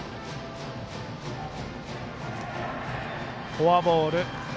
フォアボール。